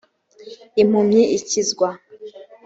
impumyi ikizwa.